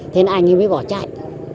thế là anh ấy mới bỏ chạy